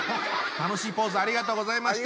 楽しいポーズありがとうございました。